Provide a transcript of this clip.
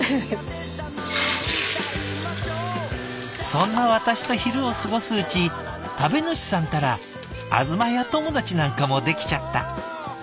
「そんな私と昼を過ごすうち食べ主さんったらあずまや友達なんかもできちゃった」。